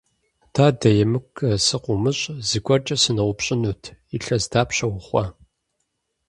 Дадэ, емыкӀу сыкъыумыщӀ, зыгуэркӀэ сыноупщӀынут: илъэс дапщэ ухъуа?